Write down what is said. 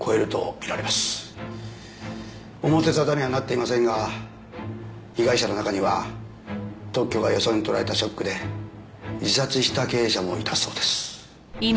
表沙汰にはなっていませんが被害者の中には特許がよそに取られたショックで自殺した経営者もいたそうです。